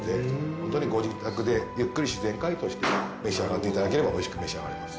ホントにご自宅でゆっくり自然解凍して召し上がっていただければおいしく召し上がれます。